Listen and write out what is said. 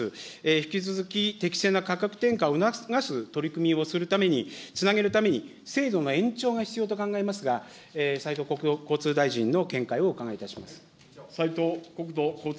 引き続き適正な価格転嫁を促す取り組みをするために、つなげるために、制度の延長が必要と考えますが、斉藤国土交通大臣の見解をお伺いいたします。